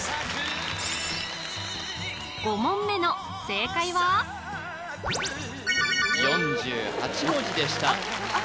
５問目の正解は４８文字でしたあっ